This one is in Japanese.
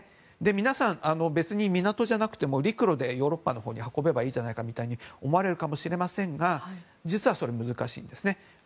皆さん、別に港じゃなくても陸路でヨーロッパに運べばいいじゃないかみたいに思われるかもしれませんが実はそれは難しいんですね。